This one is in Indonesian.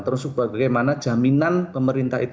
terus bagaimana jaminan pemerintah itu